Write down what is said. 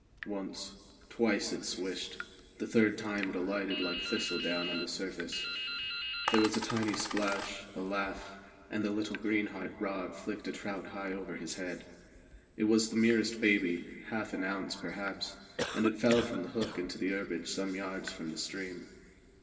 Once, twice it swished; the third time it alighted like thistledown on the surface. There was a tiny splash, a laugh, and the little greenheart rod flicked a trout high over his head. It was the merest baby half an ounce, perhaps and it fell from the hook into the herbage some yards from the stream.